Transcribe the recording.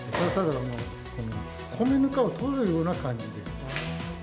米ぬかを取るような感じで。